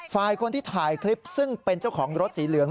ฝ่ายคนที่ถ่ายคลิปซึ่งเป็นเจ้าของรถสีเหลือง